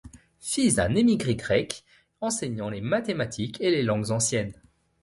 Fils d'un émigré grec, enseignant les mathématiques et les langues anciennes.